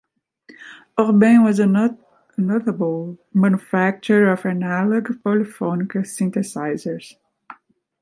Oberheim was a notable manufacturer of analog polyphonic synthesizers.